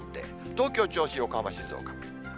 東京、銚子、横浜、静岡。